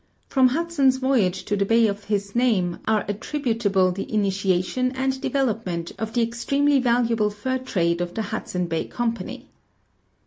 From Hudson's voyage to the bay of his name are attributable the initiation and development of the extremely valuable fur trade of the Hudson Bay Company.